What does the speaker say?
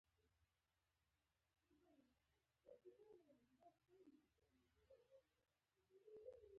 بایسکل چلونکي باید د موټرو سره فاصله وساتي.